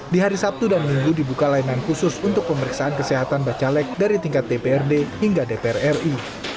di hari sabtu dan minggu dibuka layanan khusus untuk pemeriksaan kesehatan bacalek dari tingkat dprd hingga dpr ri